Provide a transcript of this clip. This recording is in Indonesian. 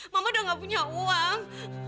mama udah gak punya uang